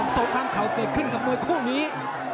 สกข้างเขาเกิดขึ้นกับมวยคู่นี้